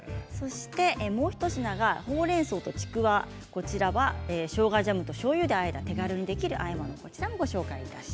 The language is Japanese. もう一品がほうれんそうとちくわこちらは、しょうがジャムとしょうゆであえた手軽にできるあえ物です。